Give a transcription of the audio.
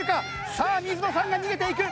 さあ水野さんが逃げていく！